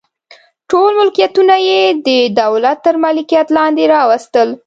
ټول ملکیتونه یې د دولت تر مالکیت لاندې راوستل.